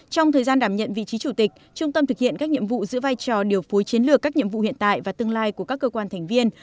trong thời gian đảm nhận vị trí chủ tịch trung tâm thực hiện các nhiệm vụ giữ vai trò điều phối chiến lược các nhiệm vụ hiện tại và tương lai của các cơ quan thành viên